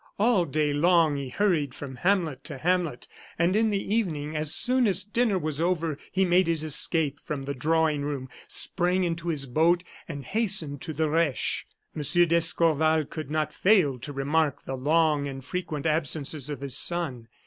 All day long he hurried from hamlet to hamlet, and in the evening, as soon as dinner was over, he made his escape from the drawing room, sprang into his boat, and hastened to the Reche. M. d'Escorval could not fail to remark the long and frequent absences of his son.